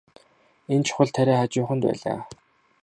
Энэ чухал тариа хажууханд нь байлаа.